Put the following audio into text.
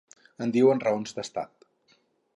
En diuen “Raons d’Estat”.